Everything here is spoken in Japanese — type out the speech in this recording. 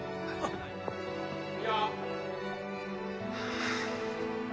・いいよ